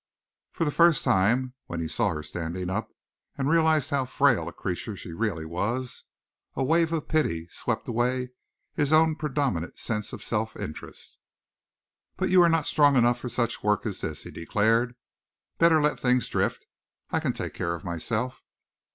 For the first time, when he saw her standing up, and realized how frail a creature she really was, a wave of pity swept away his own predominant sense of self interest. "But you are not strong enough for such work as this," he declared. "Better let things drift. I can take care of myself."